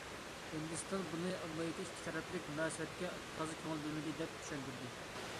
ھىندىستان بۇنى ئامېرىكا ئىككى تەرەپلىك مۇناسىۋەتكە تازا كۆڭۈل بۆلمىدى دەپ چۈشەندۈردى.